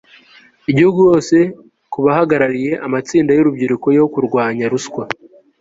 i gihugu hose ku bahagarariye amatsinda y'urubyiruko yo kurwanya ruswa